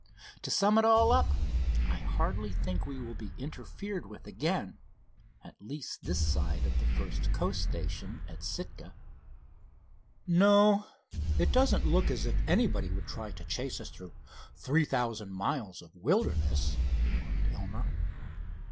To sum it all up, I hardly think we will be interfered with again—at least this side of the first Coast station, Sitka." "No, it doesn't look as if anybody would try to chase us through three thousand miles of wilderness," remarked Elmer.